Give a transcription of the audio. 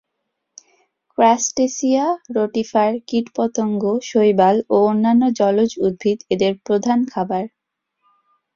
Crustacea, rotifer, কীটপতঙ্গ, শৈবাল ও অন্যান্য জলজ উদ্ভিদ এদের প্রধান খাবার।